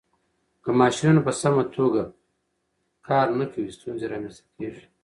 که ماشينونه په سمه توګه نه کار کوي، ستونزې رامنځته کېږي.